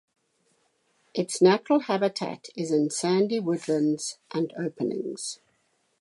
Its natural habitat is in sandy woodlands and openings.